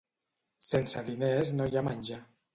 Sense diners no hi ha menjar.